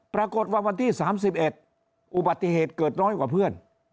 วันที่๓๑อุบัติเหตุเกิดน้อยกว่าเพื่อน